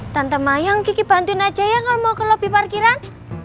tante mayang kiki bantuin aja ya kalau mau ke lobi parkiran